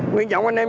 nguyên trọng anh em